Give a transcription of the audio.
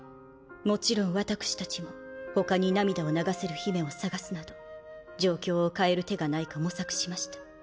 もちろん私たちもほかに涙を流せる姫を探すなど状況を変える手がないか模索しました。